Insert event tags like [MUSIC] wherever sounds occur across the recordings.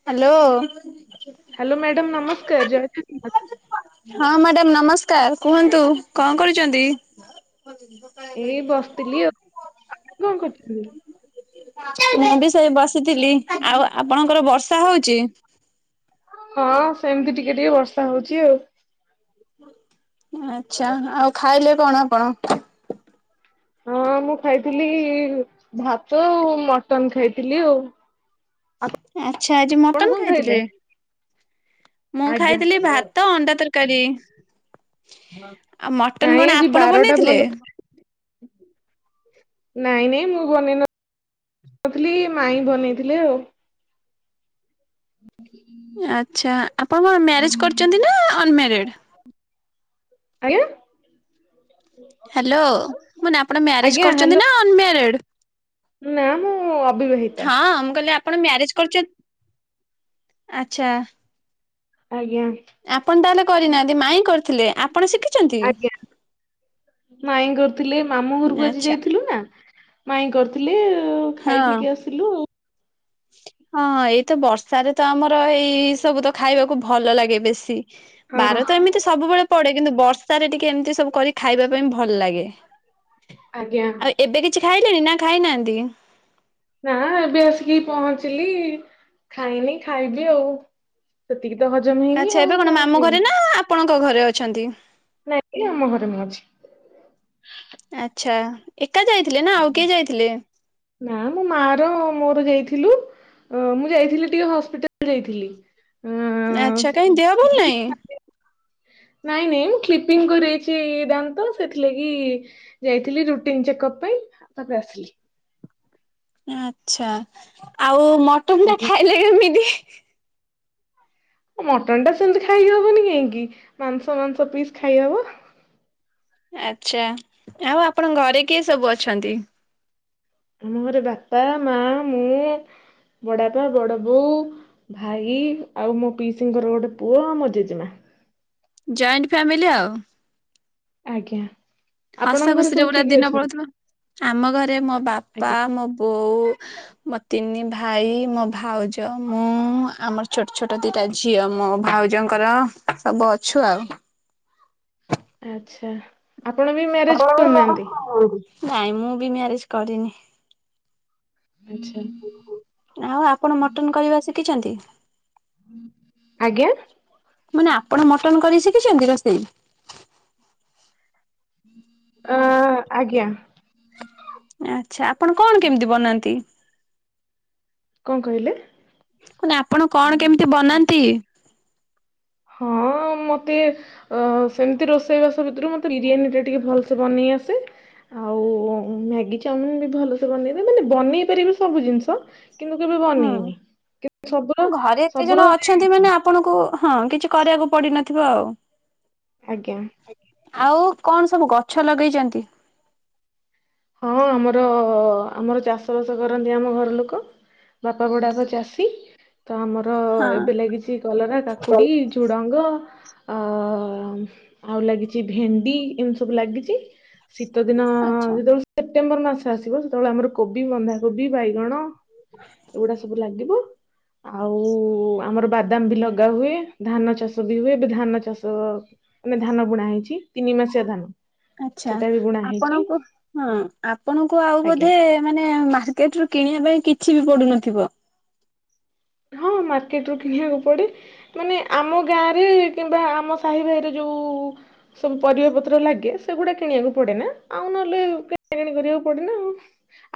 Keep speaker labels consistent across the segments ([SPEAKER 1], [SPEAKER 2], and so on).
[SPEAKER 1] Hello
[SPEAKER 2] hello madam ନମସ୍କାର ଜୟ ଜଗନ୍ନାଥ।
[SPEAKER 1] ହଁ ମ୍ୟାଡାମ ନମସ୍କାର କୁହନ୍ତୁ କଣ କରୁଛନ୍ତି?
[SPEAKER 2] ଏଇ ବସିଥିଲି, ଆଉ ଆପଣ କଣ କରିଛନ୍ତି?
[SPEAKER 1] ମୁଁ ବି ସେଇ ବସିଥିଲି, ଆଉ ଆପଣଙ୍କର ବର୍ଷା ହଉଛି?
[SPEAKER 2] ହଁ ସେମିତି ଟିକେ ଟିକେ ବର୍ଷା ହଉଛି ଆଉ।
[SPEAKER 1] ଆଛା ଆଉ ଖାଇଲେ କଣ ଆପଣ?
[SPEAKER 2] ହଁ ମୁଁ ଖାଇଥିଲି ଭାତ ଆଉ ମଟନ ଖାଇଥିଲି ଆଉ। ଆ
[SPEAKER 1] ଆଚ୍ଛା ଆଜି ମଟନ
[SPEAKER 2] ଆପଣ କଣ
[SPEAKER 1] ଖାଇଥିଲେ
[SPEAKER 2] କହିଲେ?
[SPEAKER 1] ମୁଁ ଖାଇଥିଲି ଭାତ ଅଣ୍ଡା ତରକାରୀ। ଆଉ ମଟନ
[SPEAKER 2] ନାଇଁ
[SPEAKER 1] କଣ
[SPEAKER 2] ଆଜି
[SPEAKER 1] ଆପଣ
[SPEAKER 2] ବାରଟା
[SPEAKER 1] ବନେଇଥିଲେ?
[SPEAKER 2] ଭଲ [INAUDIBLE] ନାଇଁ ନାଇଁ ମୁଁ ବନେଇ ନ ନଥିଲି ମାଇ ବନେଇଥିଲେ ଆଉ।
[SPEAKER 1] ଆଚ୍ଛା ଆପଣ କଣ ମ୍ୟାରେଜ କରିଛନ୍ତି ନା ଅନମାରିଡ?
[SPEAKER 2] ଆଜ୍ଞା।
[SPEAKER 1] ହ୍ୟାଲୋ ମାନେ ଆପଣ ମ୍ୟାରେଜ
[SPEAKER 2] ଆଜ୍ଞା
[SPEAKER 1] କରିଛନ୍ତି
[SPEAKER 2] ହ୍ୟାଲୋ
[SPEAKER 1] ନା ଅନମାରିଡ,?
[SPEAKER 2] ନା ମୁଁ ଅ
[SPEAKER 1] ହଁ ମୁଁ କହିଲେ ଆପଣ ମ୍ୟାରେଜ କରୁଛନ୍ତି ଆଛା।
[SPEAKER 2] ଆଜ୍ଞା
[SPEAKER 1] ଆପଣ ତାହେଲେ କରିନାହାନ୍ତି ମାଇଁ କରିଥିଲେ ଆପ
[SPEAKER 2] ଆଜ୍ଞା ମାଇଁ କରିଥିଲେ ମାମୁଁ ଘରକୁ ଆଜି
[SPEAKER 1] ଆଚ୍ଛା
[SPEAKER 2] ଯାଇଥିଲୁ ନା। ମାଇଁ କରିଥିଲେ ଖାଇ
[SPEAKER 1] ହଁ
[SPEAKER 2] ପିଇକି ଆସିଲୁ ଆଉ।
[SPEAKER 1] ହଁ ଏଇ ତ ବର୍ଷାରେ ତ ଆମର ଏଇ ସବୁ ତ ଖାଇବାକୁ ଭଲ ଲାଗେ ବେଶୀ ବାର ତ
[SPEAKER 2] ହଁ
[SPEAKER 1] ଏମିତି ସବୁବେଳେ ପଡେ କିନ୍ତୁ। ବର୍ଷାରେ ଟିକେ ଏମିତି ସବୁ କରି ଖାଇବା ପାଇଁ ଭଲ ଲାଗେ।
[SPEAKER 2] ଆଜ୍ଞା
[SPEAKER 1] ଆଉ ଏବେ କିଛି ଖାଇଲେଣି ନା ଖାଇନାହାନ୍ତି?
[SPEAKER 2] ନା ଏବେ ଆସିକି ପହଞ୍ଚିଲି ଖାଇନି ଖାଇବି ଆଉ। ତ ହଜମ ହେଇନି
[SPEAKER 1] ଆଚ୍ଛା
[SPEAKER 2] ଆଉ
[SPEAKER 1] ଏବେ କଣ ମାମୁ
[SPEAKER 2] ଖାଇବି।
[SPEAKER 1] ଘରେ ନା ଆପଣଙ୍କ ଘରେ ଅଛନ୍ତି?
[SPEAKER 2] ନାଇଁ ଏବେ ଆମ ଘରେ ମୁଁ ଅଛି।
[SPEAKER 1] ଆଚ୍ଛାଏକ
[SPEAKER 2] ନା ମୋ ମାଆର ମୋର ଯାଇ ଥିଲୁ ମୁଁ ଯାଇଥିଲି ଟିକେ ହସପିଟାଲ୍ ଯାଇଥିଲି। ଅଁ,
[SPEAKER 1] ଆଚ୍ଛା କାଇଁ ଦେହ ଭଲ ନାହିଁ?
[SPEAKER 2] ନାଇଁ ନାଇଁ ମୁଁ କ୍ଲିପିଙ୍ଗ କରଇଛି ଦାନ୍ତ ସେଥିଲାଗି ଯାଇଥିଲି ରୁଟିନ ଚେକପ ପାଇଁ ତାପରେ ଆସିଲି।
[SPEAKER 1] ଆଚ୍ଛା ଆଉ ମଟନ ଟା
[SPEAKER 2] ଆଜ୍ଞା।
[SPEAKER 1] ଖାଇଲେ କେମିତି?
[SPEAKER 2] ମଟନ ଟା ସେମିତି ଖାଇହବନି କାହିଁକି ମାଂସ ମାଂସ ପିସ୍ ଖାଇହବ।
[SPEAKER 1] ଆଚ୍ଛା ଆଉ ଆପଣଙ୍କ ଘରେ କିଏ ସବୁ ଅଛନ୍ତି?
[SPEAKER 2] ଆମ ଘରେ ବାପା ମା ମୁଁ ବଡ଼ାପା, ବଡ଼ ବୋଉ, ଭାଇ, ଆଉ ମୋ ପିଇସିଙ୍କର ଗୋଟେ ପୁଅ, ମୋ ଜେଜେମା।
[SPEAKER 1] ଜଏଣ୍ଟ ଫ୍ୟାମିଲି ଆଉ।
[SPEAKER 2] ଆଜ୍ଞା।
[SPEAKER 1] ହସ
[SPEAKER 2] ଆପଣଙ୍କ ଘରେ
[SPEAKER 1] ଖୁସିରେ
[SPEAKER 2] ସବୁ
[SPEAKER 1] ପୁରା
[SPEAKER 2] କିଏ କିଏ
[SPEAKER 1] ଦିନ
[SPEAKER 2] ଅଛନ୍ତି?
[SPEAKER 1] ପଳଉଥିବ ଆମ ଘରେ ମୋ ବାପା,
[SPEAKER 2] ଆଜ୍ଞା
[SPEAKER 1] ମୋ ବୋଉ, ମୋ ତିନି ଭାଇ, ମୋ ଭାଉଜ ମୁଁ ମୁଁ ଆମର ଛୋଟ ଛୋଟ ଦିଟା ଝିଅ ମୋ ଭାଉଜଙ୍କର ସବୁ ଅଛୁ ଆଉ।
[SPEAKER 2] ଆଚ୍ଛା। ଆପଣ ବି ମ୍ୟାରେଜ କରିନାହାନ୍ତି?
[SPEAKER 1] [UNINTELLIGIBLE] ନାଇଁ ମୁଁ ବି ମ୍ୟାରେଜ କରିନି।
[SPEAKER 2] ଆଚ୍ଛା
[SPEAKER 1] ଆଉ ଆପଣ ମଟନ କରିବା ଶିଖିଛନ୍ତି?
[SPEAKER 2] ଆଜ୍ଞା
[SPEAKER 1] ମାନେ ଆପଣ ମଟନ କରିଛି? ଶିଖିଛନ୍ତି ରୋଷେଇ?
[SPEAKER 2] ଅ ଆଜ୍ଞା।
[SPEAKER 1] ଆଛା ଆପଣ କଣ କେମିତି ବନାନ୍ତି?
[SPEAKER 2] କଣ କହିଲେ?
[SPEAKER 1] ଆପଣ କଣ କେମିତି ବନାନ୍ତି?
[SPEAKER 2] ହଁ। ମତେ ଅ ସେମିତି ରୋଷେଇବାସ ଭିତରୁ ମତେ ବିରିୟାନୀ ଟା ଟିକେ ଭଲସେ ବନେଇ ଆସେ। ଆଉ ମ୍ୟାଗି, ଚାଓମିିନ ବି ଭଲସେ ବନେଇଦବେ ମାନେ ବନେଇ ପାରିବେ ସବୁ ଜିନିଷ। କିନ୍ତୁ କେବେ ବନେଇନି। ସବୁର
[SPEAKER 1] ହୁଁ ଘରେ ଏତେ
[SPEAKER 2] ସବୁର
[SPEAKER 1] ଜଣ ଅଛନ୍ତି ମାନେ ଆପଣଙ୍କୁ ହଁ କି କିଛି କରିବାକୁ ପଡିିନଥିବ ଆଉ।
[SPEAKER 2] ଆଜ୍ଞା।
[SPEAKER 1] ଆଉ କଣ ସବୁ ଗଛ ଲଗେଇଚନ୍ତି?
[SPEAKER 2] ହଁ ଆମର ଆମର ଚାଷବାସ କରନ୍ତି ଆମ ଘର ଲୋକ ବାପା ବଡପା ଚାଷୀ। ତ ଆମର ଏବେ
[SPEAKER 1] ହଁ
[SPEAKER 2] ଲାଗିଚି କଲରା, କାକୁଡି, ଝୁଡଙ୍ଗ ଆ ଆଉ ଲାଗିଚି ଭେଣ୍ଡି ଏମିତି ସବୁ ଲାଗିଚି। ଶୀତ ଦିନ
[SPEAKER 1] ଆଚ୍ଛା
[SPEAKER 2] ଯେତେବେଳେ ସେପ୍ଟେମ୍ବର ମାସ ଆସିବ, ସେତେବେଳେ ଆମର କୋବି, ବନ୍ଧାକୋବି, ବାଇଗଣ ଏଗୁଡା ସବୁ ଲାଗିବ। ଆଉ ଆମର ବାଦାମ ବି ଲଗା ହୁଏ। ଧାନ ଚାଷ ବି ହୁଏ। ଏବେ ଧାନ ଚାଷ ମାନେ ଧାନ ବୁଣା ହେଇଚି ତିନି ମାସିଆ ଧାନ
[SPEAKER 1] ଆଚ୍ଛା
[SPEAKER 2] ସେଟା ବି ବୁଣା ହେଇଚି।
[SPEAKER 1] ଆପଣଙ୍କୁ ହଁ ଆପଣଙ୍କୁ ଆଉ ବୋଧେ ମାନେ ମାର୍କେଟ ରୁ କିଣିବା ପାଇଁ କିଛି ବି ପଡୁନଥିବ।
[SPEAKER 2] ହଁ ମାର୍କେଟ ରୁ କିଣିବାକୁ ପଡେ ମାନେ ଆମ ଗାଁ ରେ କିମ୍ବା ଆମ ସାହି ଭାଇରେ ଯୋ ଉ ସବୁ ପରିବା ପତ୍ର ଲାଗେ ସେଗୁଡା କିଣିବାକୁ ପଡେନା ଆଉ ନହେଲେ କିଣା କିଣି କରିବାକୁ ପଡେନା ଆଉ।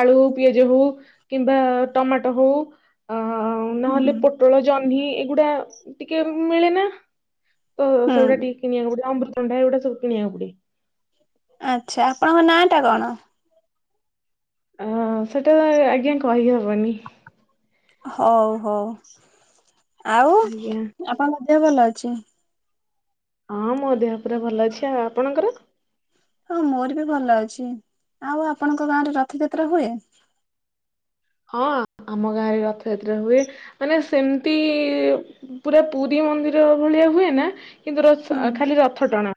[SPEAKER 2] ଆଳୁ, ପିଆଜ ହୋଉ କିମ୍ବା ଟମାଟୋ ହୋଉ ଅ
[SPEAKER 1] ହୁଁ।
[SPEAKER 2] ନହେଲେ ପୋଟଳ ଜହ୍ନି ଏଗୁଡା ଟିକେ ମିଳେ ନା ତ ସେଗୁଡା
[SPEAKER 1] ହୁଁ
[SPEAKER 2] ଟିକେ କିଣିବାକୁ ପଡିବ ଅମୃ ତମଣ୍ଡା ଏଗୁଡା ସବୁ କିଣି ବାକୁ ପଡେ।
[SPEAKER 1] ଆଛା ଆପଣଙ୍କ ନାଁ ଟା କଣ?
[SPEAKER 2] ଆ ସେଟା ଆଜ୍ଞା କହି ହବନି।
[SPEAKER 1] ହୋଉ ହୋଉ। ଆଉ
[SPEAKER 2] ଆଜ୍ଞା
[SPEAKER 1] ଆପଣଙ୍କ ଦେହ ଭଲ ଅଛି?
[SPEAKER 2] ହଁ ମୋ ଦେହ ପୁରା ଭଲ ଅଛି। ଆଉ ଆପଣଙ୍କର
[SPEAKER 1] ହଁ ମୋର ବି ଭଲ ଅଛି। ଆଉ ଆପଣଙ୍କ ଗାଁ ରେ ରଥଯାତ୍ରା ହୁଏ।
[SPEAKER 2] ହଁ ଆମ ଗାଁରେ ରଥଯାତ୍ରା ହୁଏ। ମାନେ ସେମିତି ପୁରା ପୁରୀ ମନ୍ଦିର ଭଳିଆ ହୁଏ ନା କିନ୍ତୁ ର
[SPEAKER 1] ହୁଁ
[SPEAKER 2] ଖାଲି ରଥ ଟଣା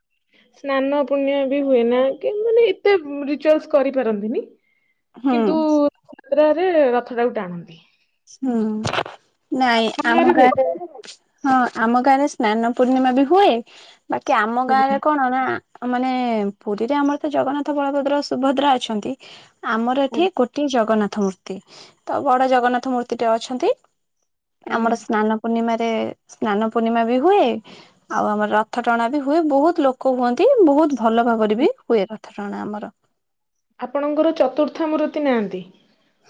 [SPEAKER 2] ସ୍ନାନ ପୁର୍ଣିମା ବି ହୁଏ ନା [UNINTELLIGIBLE] ମାନେ ଏତେ ରିଚୁଆଲ କରିପାରନ୍ତିନି।
[SPEAKER 1] ହୁଁ
[SPEAKER 2] କିନ୍ତୁ ଯାତ୍ରରେ ରଥଟା କୁ ଟାଣନ୍ତି।
[SPEAKER 1] ହୁଁ ନାଇଁ
[SPEAKER 2] ଆପଣଙ୍କ
[SPEAKER 1] ଆମ
[SPEAKER 2] ହୁଏ?
[SPEAKER 1] ଗାଁରେ ହଁ ଆମ ଗାଁ ରେ ସ୍ନାନ ପୂର୍ଣ୍ଣିମା ବି ହୁଏ ବାକି ଆମ ଗାଁରେ
[SPEAKER 2] ଆଜ୍ଞା
[SPEAKER 1] କଣ ନା ମାନେ ପୁରୀରେ ଆମର ତ ଜଗନ୍ନାଥ, ବଳଭଦ୍ର, ସୁଭଦ୍ରା ଅଛନ୍ତି। ଆମର ଏଠି
[SPEAKER 2] ଆଜ୍ଞା
[SPEAKER 1] ଗୋଟିଏ ଜଗନ୍ନାଥ ମୂର୍ତ୍ତି ତ ବଡ ଜଗନ୍ନାଥ ମୂର୍ତ୍ତିଟେ ଅଛନ୍ତି।
[SPEAKER 2] ଆଜ୍ଞା
[SPEAKER 1] ଆମର ସ୍ନାନ ପୂର୍ଣିମାରେ ସ୍ନାନ ପୂର୍ଣ୍ଣିମା ବି ହୁଏ। ଆଉ ଆମର ରଥ ଟଣା ବି ହୁଏ। ବୋହୁତ ଲୋକ ହୁଅନ୍ତି ବୋହୁତ ଭଲ ଭାବରେ
[SPEAKER 2] ଆଜ୍ଞା।
[SPEAKER 1] ବି ହୁଏ ରଥ ଟଣା ଆମର।
[SPEAKER 2] ଆପଣଙ୍କର ଚତୁର୍ଥ ମୂର୍ତ୍ତି ନାହାନ୍ତି।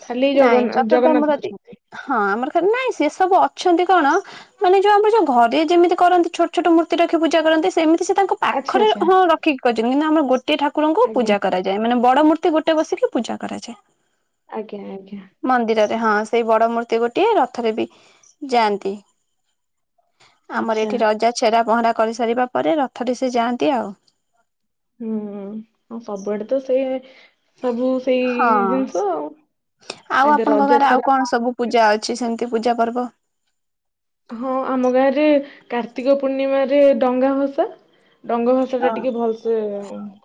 [SPEAKER 2] ଖାଲି
[SPEAKER 1] ନାଇଁ
[SPEAKER 2] ଜଗ-ଜଗନ୍ନାଥ
[SPEAKER 1] ଚତୁର୍ଧାମୂରତି
[SPEAKER 2] ଅଛନ୍ତି।
[SPEAKER 1] ହଁ ଆମର ନାଇଁ ସେ ସବୁ ଅଛନ୍ତି କଣ ମାନେ ଯୋଉ ଆମର ଯୋଉ ଘରେ ଯେମିତି କରନ୍ତି ଛୋଟ ଛୋଟ ମୂର୍ତ୍ତି ରଖି ପୂଜା କରନ୍ତି ସେମିତି ସେ ତାଙ୍କ
[SPEAKER 2] ଆଚ୍ଛା
[SPEAKER 1] ପାଖରେ
[SPEAKER 2] ଆଚ୍ଛା
[SPEAKER 1] ହଁ ରଖିକି କରିଚନ୍ତି କିନ୍ତୁ ଆମର ଗୋଟିଏ ଠାକୁରଙ୍କୁ
[SPEAKER 2] ଆଜ୍ଞା
[SPEAKER 1] ପୂଜା କରାଯାଏ। ମାନେ ବଡ ମୂ ର୍ତ୍ତି ଗୋଟେ ବସିକି ପୂଜା କରାଯାଏ।
[SPEAKER 2] ଆଜ୍ଞା ଆଜ୍ଞା।
[SPEAKER 1] ମନ୍ଦିରରେ ହଁ ସେଇ ବଡ ମୂର୍ତ୍ତି ଗୋଟିଏ ରଥରେ ବି ଯାଆନ୍ତି। ଆମର
[SPEAKER 2] ଆଚ୍ଛା
[SPEAKER 1] ଏଠି ରଜା ଛେରା ପହଁରା କରିସାରିବା ପରେ ରଥରେ ସେ ଯାଆନ୍ତି ଆଉ।
[SPEAKER 2] ହୁଁ ଆଉ ସବୁଆଡେ ତ ସେଇ ସବୁ ସେଇ
[SPEAKER 1] ହଁ
[SPEAKER 2] ଜିନିଷ ଆଉ।
[SPEAKER 1] ଆଉ
[SPEAKER 2] ଆଗେ
[SPEAKER 1] ଆପଣଙ୍କ
[SPEAKER 2] ରଜା
[SPEAKER 1] ଗାଁରେ ଆଉ
[SPEAKER 2] ଛେରା
[SPEAKER 1] କଣ ସବୁ ପୂଜା ଅଛି ସେମିତି ପୂଜା ପର୍ବ?
[SPEAKER 2] ହଁ ଆମ ଗାଁରେ କାର୍ତ୍ତିକ ପୂର୍ଣ୍ଣିମାରେ ଡଙ୍ଗା ଭସା ଡଙ୍ଗ ଭାଷା ଟା
[SPEAKER 1] ହଁ
[SPEAKER 2] ଟିକେ ଭଲସେ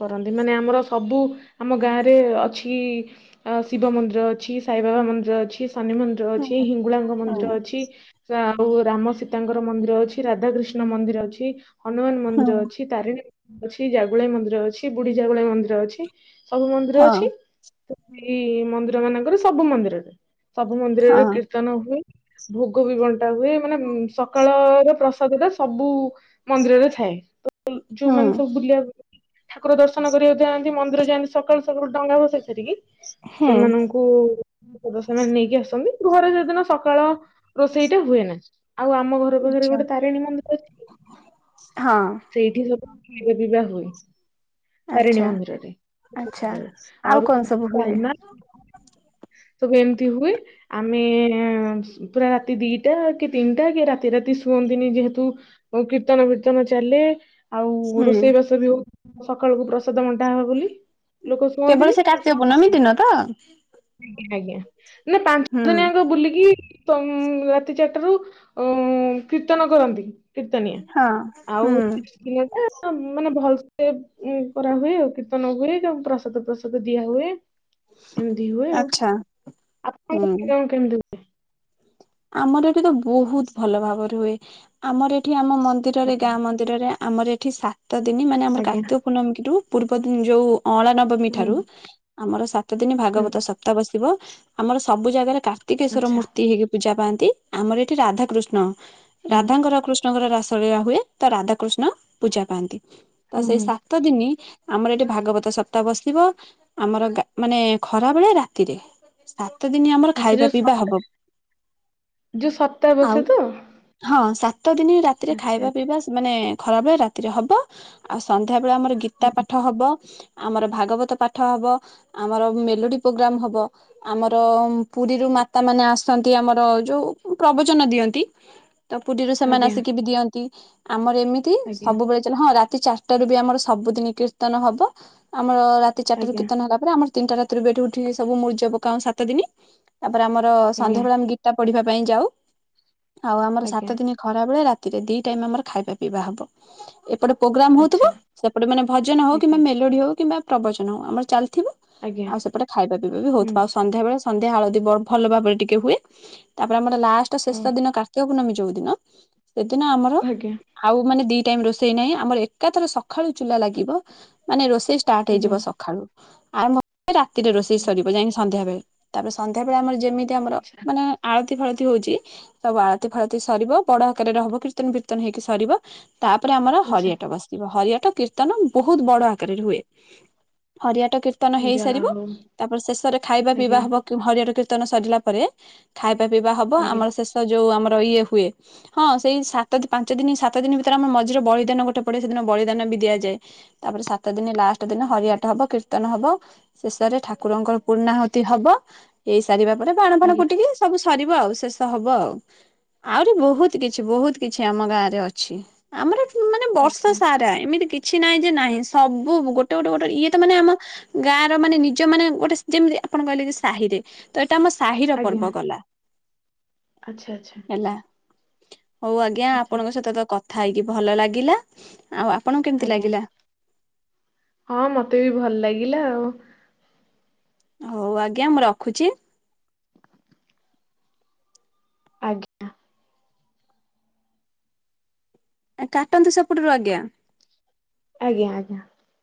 [SPEAKER 2] କରନ୍ତି। ଏ ମାନେ ଆମର ସବୁ ଆମ ଗାଁରେ ଅଛି ଅ ଶିବ ମନ୍ଦିର ଅଛି ସାଇବାବା ମନ୍ଦିର ଅଛି ଶନି ମନ୍ଦିର
[SPEAKER 1] ହୁଁ
[SPEAKER 2] ଅଛି ହିଙ୍ଗୁଳାଙ୍ଗ
[SPEAKER 1] ହୁଁ
[SPEAKER 2] ମନ୍ଦିର ଅଛି ଆଉ ରାମ ସୀତାଙ୍କର ମନ୍ଦିର ଅଛି ରାଧାକୃିଷ୍ଣ ମନ୍ଦିର ଅଛି ହନୁମାନ
[SPEAKER 1] ହୁଁ
[SPEAKER 2] ମନ୍ଦିର ଅଛି ତାରିଣୀ ଅଛି ଜାଗୁଳେଇ ମନ୍ଦିର ଅଛି। ବୁଢୀ ଜାଗୁଳେଇ ମନ୍ଦିର ଅଛି ସବୁ ମନ୍ଦିର
[SPEAKER 1] ହଁ
[SPEAKER 2] ଅଛି। ଏଇ ମନ୍ଦିର ମାନଙ୍କରେ ସବୁ ମନ୍ଦିରରେ ସବୁ ମନ୍ଦିରରେ
[SPEAKER 1] ହଁ
[SPEAKER 2] କୀର୍ତ୍ତନ ହୁଏ। ଭୋଗ ବି ବନ୍ ଣ୍ଟା ହୁଏ। ମାନେ ସକାଳର ପ୍ରସାଦ ଟା ସବୁ ମନ୍ଦିରରେ ଛାଏ। ଉ
[SPEAKER 1] ହୁଁ
[SPEAKER 2] ଯୋଉମାନେ ସବୁ ବୁଲିବାକୁ ଠାକୁର ଦର୍ଶନ କରିବାକୁ ଯଆନ୍ତି ମନ୍ଦିର ଯାଆନ୍ତି ସକାଳୁ ସକାଳୁ ଡଙ୍ଗା ଭସେଇ ସାରିକି
[SPEAKER 1] ହୁଁ।
[SPEAKER 2] ସେମାନଙ୍କୁ ତ ସେମାନେ ନେଇକି ଆସନ୍ତି ଘରେ ସେଦିନ ସକାଳ ରୋଷେଇ ଟା ହୁଏନା। ଆଉ ଆମ ଘର ପାଖରେ
[SPEAKER 1] ଆଚ୍ଛା।
[SPEAKER 2] ଗୋଟେ ତାରିଣୀ ମନ୍ଦିର ଅଛି।
[SPEAKER 1] ହଁ
[SPEAKER 2] ସେଇଠି ସବୁ ଯିଏ ବିଭା ହୁଏ। ତାରେଣୀ
[SPEAKER 1] ଆଚ୍ଛା
[SPEAKER 2] ମନ୍ଦିରରେ
[SPEAKER 1] ଆଚ୍ଛା ଆଉ
[SPEAKER 2] ଅରୁଆ
[SPEAKER 1] କଣ ସବୁ
[SPEAKER 2] ଭାତ
[SPEAKER 1] ହୁଏ?
[SPEAKER 2] ଡାଲମା। ସବୁ ଏମିତି ହୁଏ ଆମେ ପୁରା ରାତି ଦି ଟା କି ତିନିଟା କି ରାତି ରାତି ଶୁଅନ୍ତିନି ଯେହେତୁ କୀର୍ତ୍ତନ ବୀର୍ତ୍ତନ ଚାଲେ ଆଉ
[SPEAKER 1] ହୁଁ
[SPEAKER 2] ରୋଷେଇବାସ ବି ହଉ ସକାଳକୁ ପ୍ରସାଦ ବଣ୍ଟା ହବ ବୋଲି ଲୋକ
[SPEAKER 1] କେବଳ
[SPEAKER 2] ଶୁଅନ୍ତିନି।
[SPEAKER 1] ସେ କାର୍ତ୍ତିକ ପୂର୍ଣ୍ଣମୀ ଦିନ ତ
[SPEAKER 2] ଆଜ୍ଞା, ଆଜ୍ଞା। ନା ପାଞ୍ଚ
[SPEAKER 1] ହୁଁ
[SPEAKER 2] ଦିନିଆଙ୍କ ବୁଲିକି ଚ ତି ଚାରିଟାରୁ ଅଂଗ କୀର୍ତ୍ତନ କରନ୍ତି। କୀର୍ତ୍ତନିଆ,
[SPEAKER 1] ହଁ
[SPEAKER 2] ଆଉ
[SPEAKER 1] ହୁଁ।
[SPEAKER 2] [UNINTELLIGIBLE] ଟା ମାନେ ଭଲ ଏ ଉ କରାହୁୁଏ। କୀର୍ତ୍ତନ ହୁଏ ସବୁ ପ୍ରସାଦ ପ୍ରସାଦ ଦିଆ ହୁଏ ଏମିତି ହୁଏ ଆଉ।
[SPEAKER 1] ଆଚ୍ଛା। ହୁଁ
[SPEAKER 2] ଆପଣଙ୍କ ଗାଁରେ କେମତି ହୁଏ?
[SPEAKER 1] ଆମର ଏଠି ତ ବହୁତ ଭଲ ଭାବରେ ହୁଏ। ଆମର ଏଠି ଆମ
[SPEAKER 2] ହୁଏ?
[SPEAKER 1] ମନ୍ଦିରରେ ଗାଁ ମନ୍ଦିରରେ, ଆମର ଏଠି ସାତ ଦିନ ମାନେ ଆମର
[SPEAKER 2] ଆଜ୍ଞା
[SPEAKER 1] କାର୍ତ୍ତିକ ପୂର୍ଣମୀ ରୁ ପୂର୍ବ ଦିନ ଯୋଉ ଅଁଳା ନବମୀ
[SPEAKER 2] ହୁଁ
[SPEAKER 1] ଠାରୁ ଆମର ସାତ ଦିନ
[SPEAKER 2] ହୁଁ
[SPEAKER 1] ଭାଗବତ ସପ୍ତାହ ବସିବ, ଆମର ସବୁ ଜାଗାରେ କାର୍ତ୍ତିକେଶ୍ଵର
[SPEAKER 2] ଆଚ୍ଛା
[SPEAKER 1] ମୂର୍ତ୍ତି ହେଇକି ପୂଜା ପାଆନ୍ତି ଆମର ଏଠି ରାଧାକୃଷ୍ଣ,
[SPEAKER 2] ହୁଁ
[SPEAKER 1] ରାଧାଙ୍କର କୃଷ୍ଣ କୃଷ୍ଣ ଙ୍କର ରାସଳିଳା ହୁଏ ତ ରାଧାକୃଷ୍ଣ ପୂଜା ପାଆନ୍ତି ତ
[SPEAKER 2] ହୁଁ
[SPEAKER 1] ସେଇ
[SPEAKER 2] ହୁଁ
[SPEAKER 1] ସାତ ଦିନ ଆମର ଏଠି ଭାଗବତ ସପ୍ତାହ ବସିବ। ଆମର ଗାଁ ମାନେ ଖରାବେଳେ ରାତିରେ ଏତେ ଦିନ ଆମର
[SPEAKER 2] ଆଚ୍ଛା
[SPEAKER 1] ଖାଇବା
[SPEAKER 2] ଯୋଉ ସ-
[SPEAKER 1] ପିଇବା ହବ।
[SPEAKER 2] ଯୋଉ ସପ୍ତାହ
[SPEAKER 1] ଆଉ
[SPEAKER 2] ବସେ ତ?
[SPEAKER 1] ହଁ ସାତ ଦିନ ରାତିରେ
[SPEAKER 2] ଆଚ୍ଛା
[SPEAKER 1] ଖାଇବା ପିଇବା ମାନେ ଖରାବେଳେ ରାତିରେ ହବ। ଆଉ ସ ତାପରେ ଆମର ଗୀତା
[SPEAKER 2] ହୁଁ,
[SPEAKER 1] ପାଠ ହବ। ଆମର ଭାଗବତ ପାଠ ହବ। ଆମର ମେଲୋଡି ପ୍ରୋଗ୍ରାମ ହବ। ଆମର ପୁରୀରୁ ମାତା ମାନେ ଆସ ଆସନ୍ତି ଆମର ଯୋଉ ପ୍ରବଚନ ଦିଅନ୍ତି। ତ ପୁରୀରୁ ସେମାନେ
[SPEAKER 2] ଆଜ୍ଞା
[SPEAKER 1] ଆସିକି ବି ଦିଅନ୍ତ। ଆମର ଏମିତି
[SPEAKER 2] ଆଜ୍ଞା
[SPEAKER 1] ସବୁବେଳେ ଚା ହଁ ରାତି ଚାରିଟା ରାରୁ ବି ଆମର ସବୁଦିନ କୀର୍ତ୍ତନ ହବ। ଆମର ରାତି ଚାରିଟାରୁ
[SPEAKER 2] ଆଜ୍ଞା
[SPEAKER 1] କୀର୍ତନ ହେଲା ପରେ ଆମ ତିନିଟା ରାତିରୁ ବି ଏଠୁ ଉଠି ସବୁ ମୂର୍ଜ ପକାଉ ସାତ ଦିନ। ତାପରେ ଆମର
[SPEAKER 2] ଆଜ୍ଞା
[SPEAKER 1] ସନ୍ଧ୍ୟାବେଳେ ଆମେ ଗୀତା ପଢିବା ପାଇଁ ଯାଉ। ଆଉ ଆମର ସାତ
[SPEAKER 2] ଆଜ୍ଞା
[SPEAKER 1] ଦିନ ଖରା ବେଳେ ରା ରେ ଦି ଟାଇମ୍ ଆମର ଖାଇବା ପିଇବା ହବ। ଏପଟେ ପ୍ରୋଗ୍ରାମ ହଉଥିବ।
[SPEAKER 2] ଆଚ୍ଛା
[SPEAKER 1] ସେପଟେ ମାନେ ଭଜନ ହଉ କିମ୍ବା
[SPEAKER 2] ଆଜ୍ଞା
[SPEAKER 1] ମେଲୋଡି ହଉ କିମ୍ବା ପ୍ରବଚନ ହଉ ଆମର ଚାଲି ଥିବ
[SPEAKER 2] ଆଜ୍ଞା
[SPEAKER 1] ଆଉ ସେପଟେ ଖାଇବା ପିଇବା ବି ହଉଥିବ।
[SPEAKER 2] ହୁଁ
[SPEAKER 1] ଆଉ ସନ୍ଧ୍ୟାବେଳେ ସନ୍ଧ୍ୟା ଆଳତି ଭଲ ଭାବରେ ଟିକେ କେ ହୁଏ। ତାପରେ ଆମର ଲାଷ୍ଟ
[SPEAKER 2] ଓ
[SPEAKER 1] ଶେଷ ଦିନ କାର୍ତ୍ତିକ ପୂର୍ଣ୍ଣମୀ ଯୋଉ ଦିନ ସେଦିନ ଆମର
[SPEAKER 2] ଆଜ୍ଞା
[SPEAKER 1] ଆଉ ମାନେ ଦି ଟାଇମ୍ ରୋଷେଇ ନାହିଁ। ଆମର ଏକାଥରେ ସକାଳୁ ଚୁଲା ଲାଗିବ ମାନେ ରୋଷେଇ ଷ୍ଟାର୍ଟ ହେଇଯିବ
[SPEAKER 2] ଆଜ୍ଞା
[SPEAKER 1] ସକାଳୁ। ଆରମ୍ଭ ରାତିରେ ରୋଷେଇ ସରିବ ଯାଇକି ସନ୍ଧ୍ୟା ବେଳେ। ତାପରେ ସନ୍ଧ୍ୟା ବେଳେ ଆମର ଯେମିତି ଆମର
[SPEAKER 2] ଆଚ୍ଛା
[SPEAKER 1] ମାନେ ଆଳତୀ ଫାଳତୀ ତି ହଉଛି ସବୁ ଆଳତି ଫାଳତି ସରିବ। ବଡ ଆକାରରେ ହବ କୀର୍ତ୍ତନ ଫୀର୍ତ୍ତନ ହେଇକି ସରିବ ତାପରେ ଆମର
[SPEAKER 2] ଆଚ୍ଛା
[SPEAKER 1] ହରିଆଟ ବସିିବ, ହରିଆଟ କୀର୍ତ୍ତନ ବହୁତ ବଡ ଆକାରରେ ହୁଏ, ହରିଆଟ କୀର୍ତ୍ତନ ହେଇ
[SPEAKER 2] ଯାହା
[SPEAKER 1] ସାରିବ,
[SPEAKER 2] ହଉ
[SPEAKER 1] ତାପରେ ଶେଷରେ ଖାଇବା ପିଇବା
[SPEAKER 2] ଆଜ୍ଞା
[SPEAKER 1] ହବ ହରିଆର କୀର୍ତ୍ତନ ସରିଲା ପରେ ଖାଇବା ପିଇବା ହବ
[SPEAKER 2] ଆଜ୍ଞା
[SPEAKER 1] ଆମର ଶେଷ ଯୋଉ ଆମର ଇଏ ହୁଏ, ହଁ ସେଇ ସାତ ପାଞ୍ଚ ଦିନ ସାତ ଦିନ ଭିତରେ ଆମର ମଝିରେ ବଳିଦାନ ଗୋଟେ ପଡେ ସେଦିନ ବଳିଦାନ ବି ଦିଆଯାଏ। ତାପରେ ସାତ ଦିନ ଲାଷ୍ଟ ଦିନ ହରିଆଟ ହବ କୀର୍ତ୍ତନ ହବ, ଶେଷରେ ଠାକୁରଙ୍କର ପୁର୍ଣ୍ଣାହୁ ହବ ହେଇସାରିବା ପରେ ବାଣ ଫାଣ
[SPEAKER 2] ଆଜ୍ଞା
[SPEAKER 1] ଫୁଟିକି ସବୁ ସରିବ ଆଉ ଶେଷ ହବ ଆଉ ଆହୁରି ବହୁତ କିଛି, ବହୁତ କିଛି ଆମ ଗାଁରେ ଅଛି ଆମର ମାନେ ବର୍ଷା
[SPEAKER 2] ଆଚ୍ଛା
[SPEAKER 1] ସାରା, ଏମିତି କିଛି କିଛି ନହିଁ ଯେ ନାହିଁ ସବୁ ଗୋଟେ, ଗୋଟେ, ଗୋଟେ, ଇଏ ତ ମାନେ ଆମ ଗାଁ ର ମାନେ, ନିଜ ମାନେ ଗୋଟେ ଯେମିତି ଆପଣ କହିଲେ କି ସାହିରେ ତ ଏଇଟା ଆମ ସାହିର ପର୍ବ ଗଲା।
[SPEAKER 2] ଆଛା ଆଚ୍ଛା।
[SPEAKER 1] ହେଲା ହଉ ଆଜ୍ଞା।
[SPEAKER 2] ଆଚ୍ଛା
[SPEAKER 1] ଆପଣଙ୍କ ସହିତ ତ କଥା ହେଇକି ଭଲ ଲାଗିଲା। ଆଉ ଆପଣଙ୍କୁ କେମିତି
[SPEAKER 2] ଆଜ୍ଞା।
[SPEAKER 1] ଲାଗିଲା?
[SPEAKER 2] ହଁ ମତେ ବି ଭଲ ଲାଗିଲା ଆଉ
[SPEAKER 1] ହଉ ଆଜ୍ଞା। ମୁଁ ରଖୁଛି।
[SPEAKER 2] ଆଜ୍ଞା।
[SPEAKER 1] କାଟନ୍ତୁ ସେପଟରୁ ଆଜ୍ଞା!
[SPEAKER 2] ଆଜ୍ଞା ଆଜ୍ଞା।